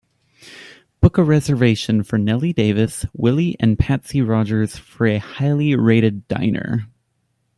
Book a reservation for nellie davis, willie and patsy rogers for a highly rated diner